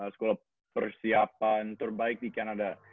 sekolah persiapan terbaik di kanada